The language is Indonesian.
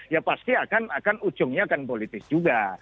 ya pasti ujungnya akan politik juga